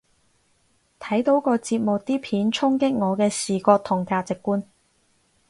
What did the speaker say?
睇到個節目啲片衝擊我嘅視覺同價值觀